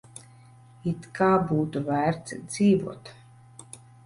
It kā būtu vērts dzīvot.